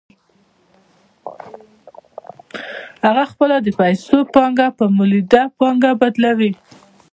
هغه خپله د پیسو پانګه په مولده پانګه بدلوي